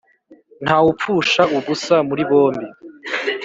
Ntawupfusha ubusa muri bombi.